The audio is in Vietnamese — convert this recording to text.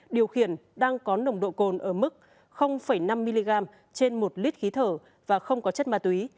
điều khiển đang có nồng độ cồn ở mức năm mg trên một lít khí thở và không có chất ma túy